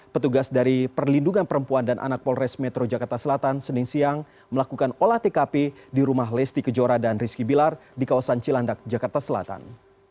petugas dari perlindungan perempuan dan anak polres metro jakarta selatan senin siang melakukan olah tkp di rumah lesti kejora dan rizky bilar di kawasan cilandak jakarta selatan